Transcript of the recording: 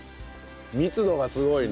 密度がすごいね。